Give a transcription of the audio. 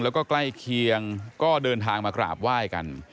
แล้วก็ใกล้เคียงก็เดินทางมากราบไหว้กัน